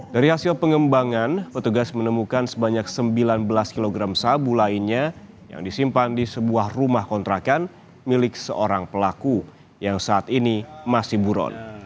dari hasil pengembangan petugas menemukan sebanyak sembilan belas kg sabu lainnya yang disimpan di sebuah rumah kontrakan milik seorang pelaku yang saat ini masih buron